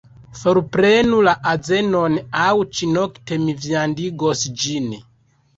"Forprenu la azenon, aŭ ĉi-nokte mi viandigos ĝin."